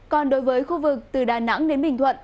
còn đối với khu vực từ đà nẵng đến bình thuận